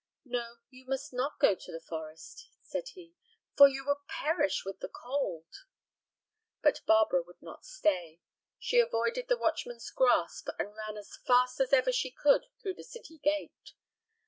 "No, you must not go to the forest," said he, "for you would perish with the cold." But Barbara would not stay. She avoided the watchman's grasp and ran as fast as ever she could through the city gate.